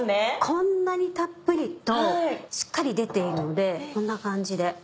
こんなにたっぷりとしっかり出ているのでこんな感じで。